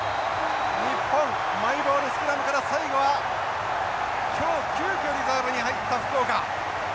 日本マイボールスクラムから最後は今日急きょリザーブに入った福岡。